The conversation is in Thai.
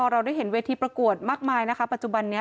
เราได้เห็นเวทีประกวดมากมายนะคะปัจจุบันนี้